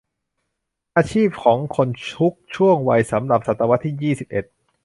อาชีพของคนทุกช่วงวัยสำหรับศตวรรษที่ยี่สิบเอ็ด